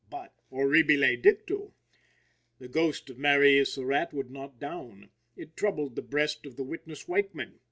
But, horribile dictu! the ghost of Mary E. Surratt would not down. It troubled the breast of the witness Weichman.